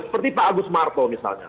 seperti pak agus marto misalnya